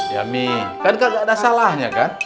ya mih kan kagak ada salahnya kan